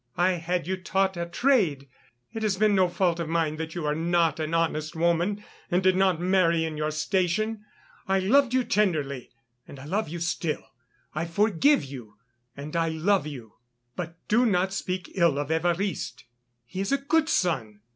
I had you taught a trade. It has been no fault of mine that you are not an honest woman and did not marry in your station. I loved you tenderly and I love you still. I forgive you and I love you. But do not speak ill of Évariste. He is a good son.